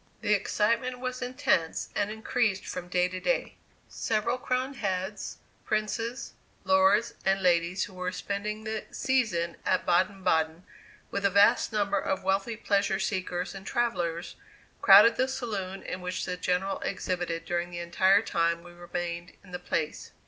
The excitement was intense and increased from day to day. Several crowned heads, princes, lords and ladies who were spending the season at Baden Baden, with a vast number of wealthy pleasure seekers and travellers, crowded the saloon in which the General exhibited during the entire time we remained in the place.